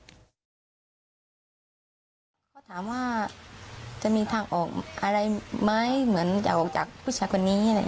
ไม่ค่อยบอกนะคะเพราะว่าจะไม่รู้จักเพื่อนชาติกว่านี้ด้วย